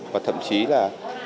và thậm chí là